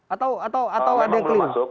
atau ada yang klinik